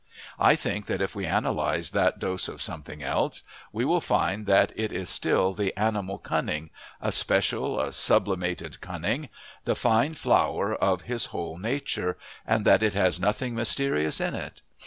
I think that if we analyse that dose of something else, we will find that it is still the animal's cunning, a special, a sublimated cunning, the fine flower of his whole nature, and that it has nothing mysterious in it.